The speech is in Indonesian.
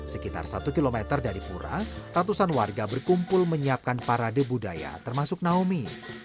sekitar satu km dari pura ratusan warga berkumpul menyiapkan parade budaya termasuk naomi